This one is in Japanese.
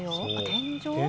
天井？